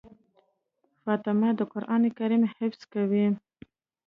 فاطمه د قرآن کريم حفظ کوي.